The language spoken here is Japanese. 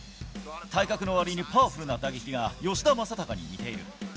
体格のわりにパワフルな打撃が吉田正尚に似ている。